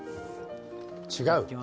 違う？